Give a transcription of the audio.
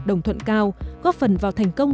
đồng thuận cao góp phần vào thành công